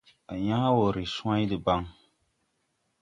À yãã wɔ ree cwãy debaŋ.